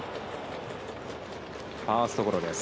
ファーストゴロです。